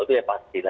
itu yang pasti